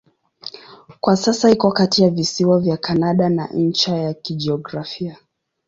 Kwa sasa iko kati ya visiwa vya Kanada na ncha ya kijiografia.